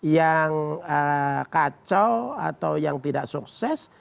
yang kacau atau yang tidak sukses